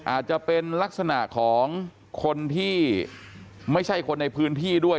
อาจจะเป็นลักษณะของคนที่ไม่ใช่คนในพื้นที่ด้วย